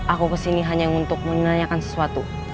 aku kesini hanya untuk menanyakan sesuatu